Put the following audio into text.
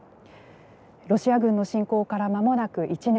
ロシア軍の侵攻からまもなく１年。